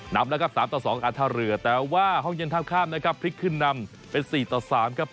นำแล้วครับ๓ต่อ๒การท่าเรือแต่ว่าห้องเย็นท่าข้ามนะครับพลิกขึ้นนำเป็น๔ต่อ๓ครับ